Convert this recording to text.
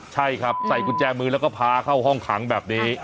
ใช่ครับใส่กุญแจมือแล้วก็พาเข้าห้องขังแบบนี้